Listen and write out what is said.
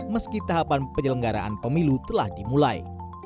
meski tahapan penyelenggaraan pemilu telah dimulai